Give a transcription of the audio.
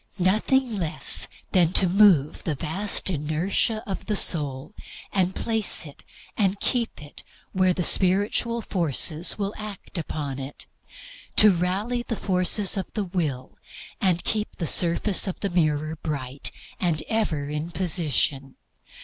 Nothing less than to move the vast inertia of the soul, and place it, and keep it where the spiritual forces will act upon it. It is to rally the forces of the will, and keep the surface of the mirror bright and ever in position.